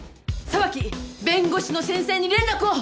沢木弁護士の先生に連絡を。